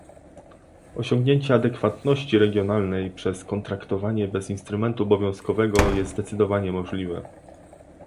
Osiągnięcie adekwatności regionalnej przez kontraktowanie bez instrumentu obowiązkowego jest zdecydowanie możliwe